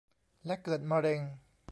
และเกิดมะเร็ง